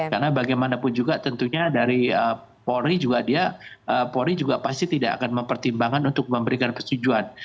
karena bagaimanapun juga tentunya dari polri juga dia polri juga pasti tidak akan mempertimbangkan untuk memberikan persetujuan